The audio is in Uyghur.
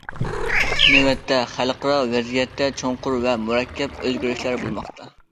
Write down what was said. نۆۋەتتە، خەلقئارا ۋەزىيەتتە چوڭقۇر ۋە مۇرەككەپ ئۆزگىرىشلەر بولماقتا.